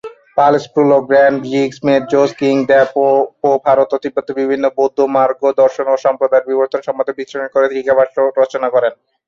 দ্পাল-স্প্রুল-ও-র্গ্যান-'জিগ্স-মেদ-ছোস-ক্যি-দ্বাং-পো ভারত ও তিব্বতের বিভিন্ন বৌদ্ধ মার্গ, দর্শন ও সম্প্রদায়ের বিবর্তন সম্বন্ধে বিশ্লেষণ করে টীকাভাষ্য রচনা করেন।